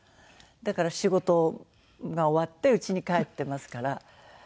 だから仕事が終わってうちに帰ってますから。